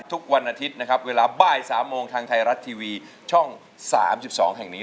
ทุกวันอาทิตย์นะครับเวลาบ่าย๓โมงทางไทยรัฐทีวีช่อง๓๒แห่งนี้